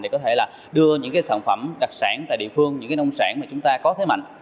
để có thể là đưa những sản phẩm đặc sản tại địa phương những cái nông sản mà chúng ta có thế mạnh